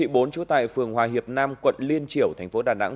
bốn chú tại phường hòa hiệp nam quận liên triểu tp đà nẵng